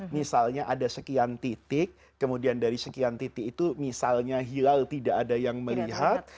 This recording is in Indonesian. misalnya ada sekian titik kemudian dari sekian titik itu misalnya hilal tidak ada yang melihat